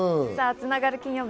つながる金曜日。